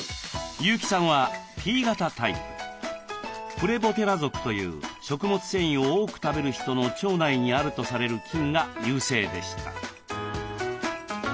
プレボテラ属という食物繊維を多く食べる人の腸内にあるとされる菌が優勢でした。